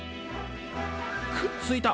くっついた！